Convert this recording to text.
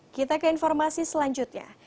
kita ke informasi selanjutnya